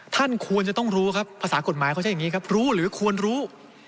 ท่านควรจะต้องรู้ครับภาษากฎหมายเขาใช้อย่างนี้ครับรู้หรือควรรู้